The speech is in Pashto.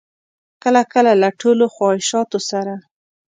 کله کله له ټولو خواهشاتو سره.